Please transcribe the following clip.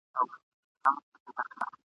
په څو څو ځله تېر سوم !.